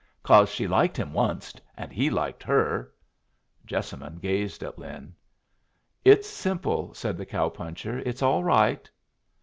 "Cause she liked him onced, and he liked her." Jessamine gazed at Lin. "It's simple," said the cow puncher. "It's all right."